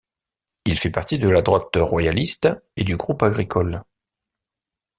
Il fait partie de la droite royaliste et du groupe agricole.